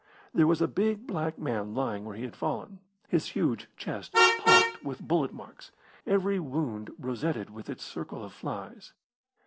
There was a big black man lying where he had fallen, his huge chest pocked with bullet marks, every wound rosetted with its circle of flies.